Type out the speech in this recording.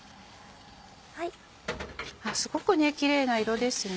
すごくキレイな色ですね。